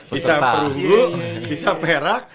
bisa perunggu bisa perak